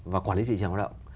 và quản lý thị trường lao động